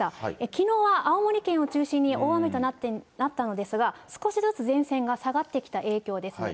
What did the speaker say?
きのうは青森県を中心に大雨となったのですが、少しずつ前線が下がってきた影響ですね。